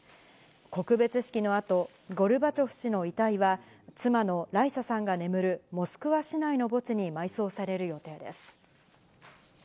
告別式のあと、ゴルバチョフ氏の遺体は妻のライサさんが眠るモスクワ市内の墓地に埋葬される予定です。